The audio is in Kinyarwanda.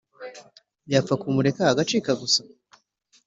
yapfa kumureka agacika gusa?